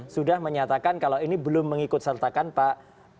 sudah menyatakan kalau ini belum mengikut sertakan pak